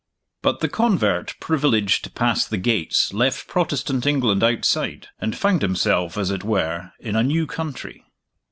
But the convert privileged to pass the gates left Protestant England outside, and found himself, as it were, in a new country.